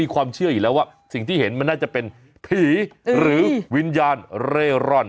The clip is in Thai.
ความเชื่ออยู่แล้วว่าสิ่งที่เห็นมันน่าจะเป็นผีหรือวิญญาณเร่ร่อน